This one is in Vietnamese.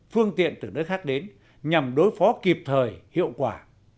phương tiện từ nơi khác đến nhằm đối phó kịp thời hiệu quả